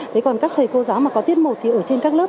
thế còn các thầy cô giáo mà có tiết một thì ở trên các lớp